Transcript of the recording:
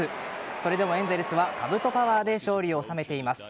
それでもエンゼルスはかぶとパワーで勝利を収めています。